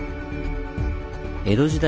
江戸時代